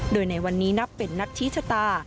โดยในวันนี้นับเป็นนัดชี้ชะตา